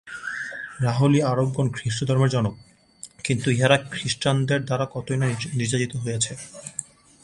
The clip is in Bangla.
য়াহুদী ও আরবগণ খ্রীষ্টধর্মের জনক, কিন্তু ইহারা খ্রীষ্টানদের দ্বারা কতই না নির্যাতিত হইয়াছে।